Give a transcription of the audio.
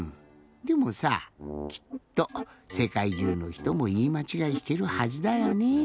でもさきっとせかいじゅうのひともいいまちがいしてるはずだよね。